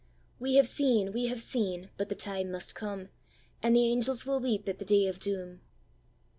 We have seen! we have seen! but the time must come, And the angels will weep at the day of doom!